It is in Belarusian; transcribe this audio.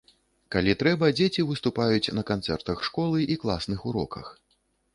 Калі трэба, дзеці выступаюць на канцэртах школы і класных уроках.